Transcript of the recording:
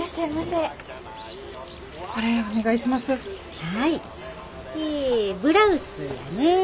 えブラウスやね。